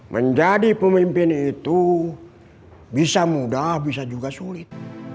menjadi pemimpin itu bisa mudah bisa juga sulit